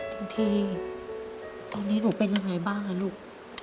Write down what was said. บางทีตอนนี้หนูเป็นยังไงบ้างลูก